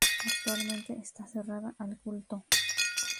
Actualmente está cerrada al culto.